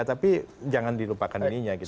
tapi jangan dilupakan ininya gitu